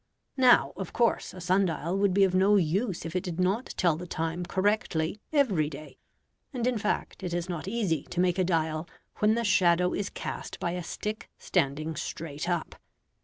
Now, of course, a sun dial would be of no use if it did not tell the time correctly every day; and in fact, it is not easy to make a dial when the shadow is cast by a stick standing straight up.